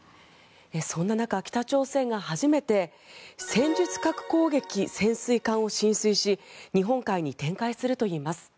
そんな中、北朝鮮が初めて戦術核攻撃潜水艦を進水し日本海に展開するといいます。